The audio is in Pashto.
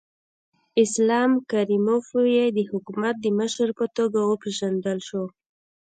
اسلام کریموف یې د حکومت د مشر په توګه وپېژندل شو.